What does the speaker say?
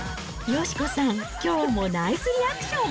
佳子さん、きょうもナイスリアクション。